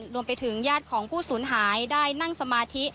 รวมไปถึงญาติของผู้สูญหายได้นั่งสมาธิ